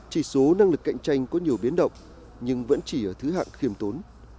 chỉ số năng lực cạnh tranh có nhiều biến động nhưng vẫn chỉ ở thứ hạng khiêm tốn